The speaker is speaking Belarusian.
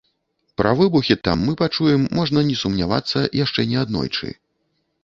Пра выбухі там мы пачуем, можна не сумнявацца, яшчэ не аднойчы.